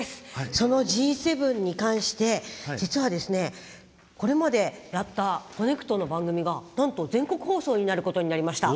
そのＧ７に関して実は、これまでやった「コネクト」の番組がなんと全国放送になることになりました。